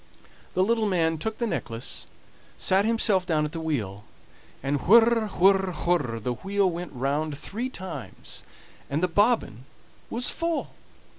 The little man took the necklace, sat himself down at the wheel, and whir, whir, whir, the wheel went round three times, and the bobbin was full.